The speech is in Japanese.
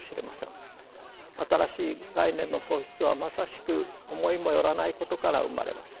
新しい概念の創出はまさしく思いも寄らないことから生まれます。